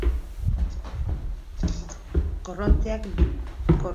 Korronteak bere ibilgailua eraman zuela esateko deitu zuen gazteak.